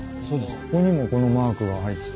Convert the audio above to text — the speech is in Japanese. ここにもこのマークが入って。